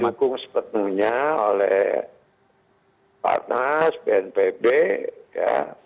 dukung sebetulnya oleh parnas bnpb ya